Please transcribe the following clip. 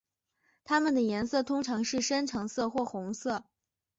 它们的颜色通常是深橙色或红色。